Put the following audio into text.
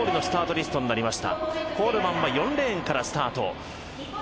コールマンは４レーンからスタート。